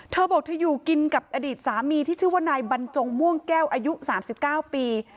เธอบอกเธออยู่กินกับอดีตสามีที่ชื่อว่านายบรรจงม่วงแก้วอายุ๓๙ปี